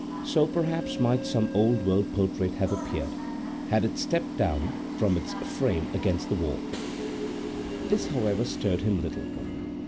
So perhaps might some old world portrait have appeared, had it stept down from its frame against the wall. This, however, stirred him little.